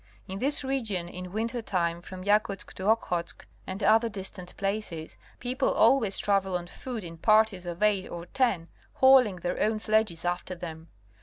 In this region in winter time from Yakutsk to Okhotsk and other distant places people always travel on foot in parties of eight or ten, hauling their own sledges after them.